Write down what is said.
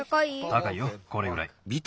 たかいよこれぐらい。